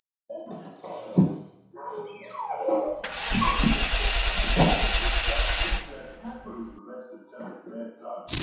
With him dead, Urquhart would inherit the estate.